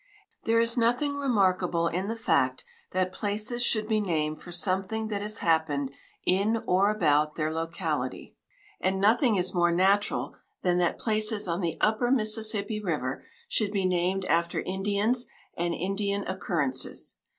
There is nothing remarkable in the fact that places should be named for something that has happened in or about their locality, and nothing is more natural than that places on the upper Mississippi river should be named after Indians and Indian occurrences.